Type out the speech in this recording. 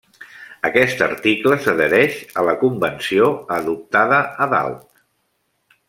Aquest article s'adhereix a la convenció adoptada a dalt.